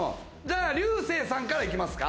竜星さんからいきますか？